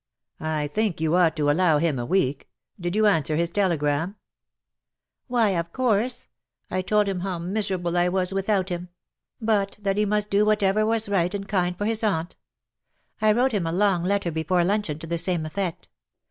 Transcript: I think you ought to allow him a week. Did you answer his telegram ?''" Why, of course ! I told him how miserable I 214 CUPID AND PSYCHE. was without him ; but that he must do whatever was right and kind for his aunt. I wrote him a long letter before luncheon to the same effect.